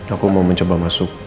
aku mau mencoba masuk